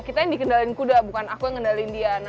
ya kita yang dikendalikan kuda bukan aku yang mengendalikan dia